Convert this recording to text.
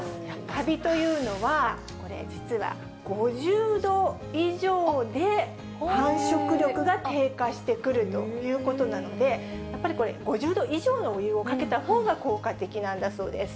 かびというのは、これ実は、５０度以上で繁殖力が低下してくるということなので、やっぱりこれ、５０度以上のお湯をかけたほうが効果的なんだそうです。